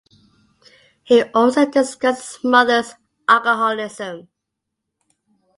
He also discussed his mother's alcoholism.